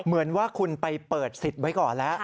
เหมือนว่าคุณไปเปิดสิทธิ์ไว้ก่อนแล้ว